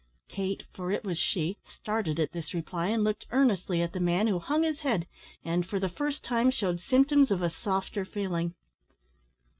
Kate, (for it was she), started at this reply, and looked earnestly at the man, who hung his head, and, for the first time, shewed symptoms of a softer feeling.